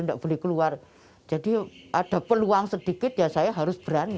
enggak boleh keluar jadi ada peluang sedikit ya saya harus berani